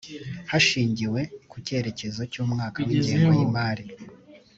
hashingiwe ku cyerekezo cy’umwaka w’ingengo y’imari